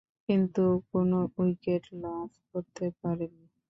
কিন্তু কোন উইকেট লাভ করতে পারেননি।